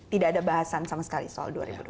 tidak ada bahasan sama sekali soal dua ribu dua puluh